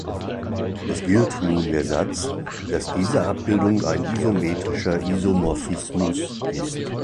Es gilt nun der Satz, dass diese Abbildung ein isometrischer Isomorphismus ist.